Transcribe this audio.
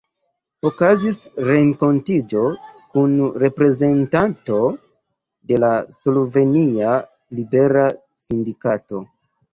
Okazis renkontiĝo kun reprezentanto de la slovenia libera sindikato.